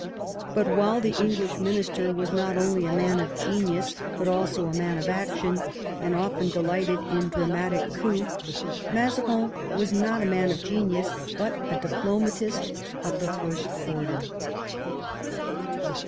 But while the English minister was not only a man of genius but also a man of action, and often delighted in dramatic covps, Mazarin was not a man of genius, but a diplomatist of the first order.